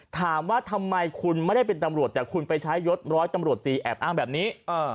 ถามว่าทำไมคุณไม่ได้เป็นตำรวจแต่คุณไปใช้ยศร้อยตำรวจตีแอบอ้างแบบนี้